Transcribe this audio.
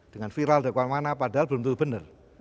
dengan viral dari kemana mana padahal belum tentu benar